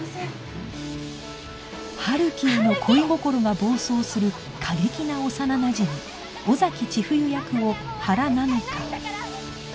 ハルキへの恋心が暴走する過激な幼なじみ尾崎ちふゆ役を原菜乃華